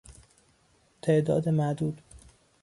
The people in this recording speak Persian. تعداد معدود